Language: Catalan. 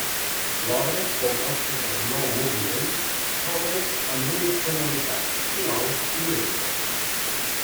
L'obra, composta per nou moviments, s'obre amb unes tonalitats suaus i lentes.